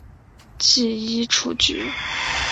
记一出局。